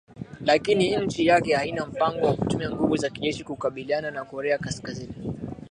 lakini nchi yake haina mpango wa kutumia nguvu za kijeshi kukabiliana na korea kaskazini